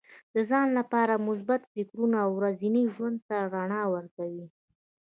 د ځان لپاره مثبت فکرونه ورځني ژوند ته رڼا ورکوي.